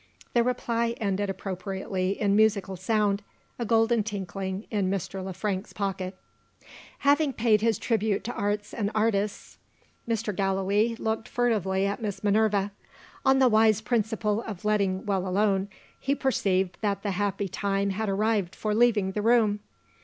The reply ended appropriately in musical sound a golden tinkling, in Mr. Le Frank's pocket. Having paid his tribute to art and artists, Mr. Gallilee looked furtively at Miss Minerva. On the wise principle of letting well alone, he perceived that the happy time had arrived for leaving the room.